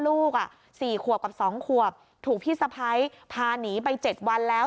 ลูก๔ขวบกับ๒ขวบถูกพี่สะพ้ายพาหนีไป๗วันแล้ว